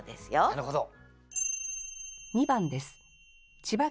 なるほど。